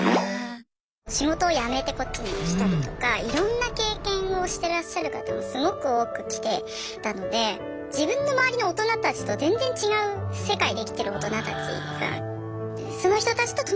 仕事を辞めてこっちに来たりとかいろんな経験をしてらっしゃる方がすごく多く来てたので自分の周りの大人たちと全然違う世界で生きてる大人たち。